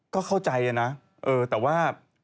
ก็เข้าใจนะแต่ว่า